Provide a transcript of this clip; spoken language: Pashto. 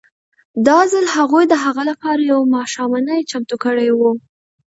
دا ځل هغوی د هغه لپاره یوه ماښامنۍ چمتو کړې وه